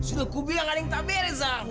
ikut di setir